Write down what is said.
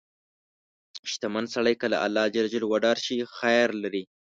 • شتمن سړی که له الله وډار شي، خیر لري.